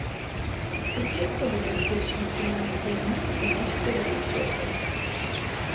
Якія колеры першымі атрымалі свае імёны ў нашых далёкіх продкаў?